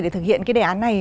để thực hiện đề án này